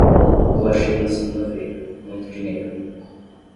Lua cheia na segunda-feira, muito dinheiro.